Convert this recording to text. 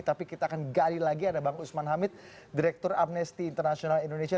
tapi kita akan gali lagi ada bang usman hamid direktur amnesty international indonesia